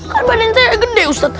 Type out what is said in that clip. kan badannya saya gede ustad